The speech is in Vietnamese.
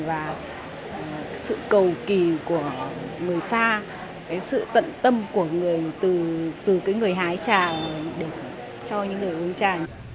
và sự cầu kỳ của người pha sự tận tâm của người từ người hái trà cho những người uống trà